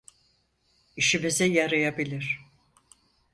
İşimize yarayabilir.